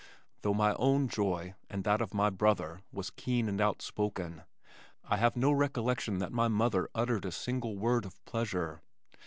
Though my own joy and that of my brother was keen and outspoken, I have no recollection that my mother uttered a single word of pleasure.